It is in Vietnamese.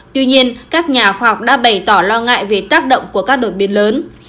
tuy nhiên các nhà khoa học đã bày tỏ lo ngại về tác động của các đột biến lớn